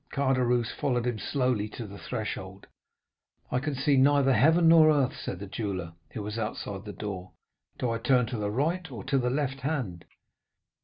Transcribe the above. Caderousse followed him slowly to the threshold. 'I can see neither heaven nor earth,' said the jeweller, who was outside the door. 'Do I turn to the right, or to the left hand?